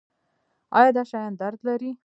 ایا دا شیان درد لري؟